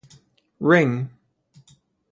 Ring.